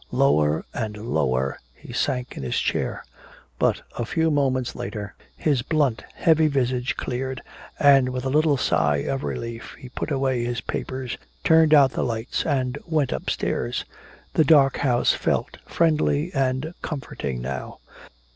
Lower and lower he sank in his chair. But a few moments later, his blunt heavy visage cleared, and with a little sigh of relief he put away his papers, turned out the lights and went upstairs. The dark house felt friendly and comforting now.